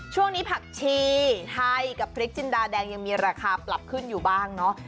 ช่วงนี้ผักชีไทยกับพริกจินดาแดงยังมีราคาปรับขึ้นอยู่บ้างเนอะ